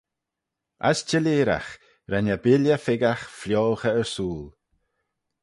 As çhelleeragh ren y billey figgagh fioghey ersooyl.